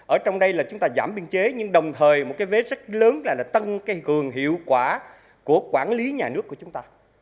ở trong đây là chúng ta giảm biên chế nhưng đồng thời một cái vết rất lớn là tăng cái cường hiệu quả của quản lý nhà nước của chúng ta